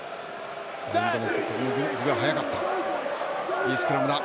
いいスクラムだ。